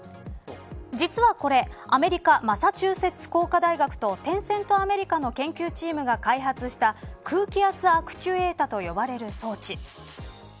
実はこれアメリカマサチューセッツ工科大学とテンセント・アメリカの研究チームが開発した空気圧アクチュエータと呼ばれる装置。